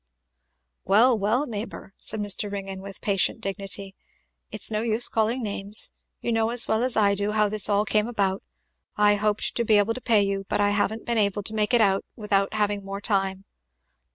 "Well, well! neighbour," said Mr. Ringgan, with patient dignity, "it's no use calling names. You know as well as I do how all this came about. I hoped to be able to pay you, but I haven't been able to make it out, without having more time."